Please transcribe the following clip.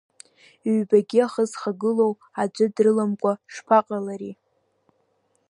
Ҩбагьы ахы зхагылоу аӡәы дрыламкәа шԥаҟалари.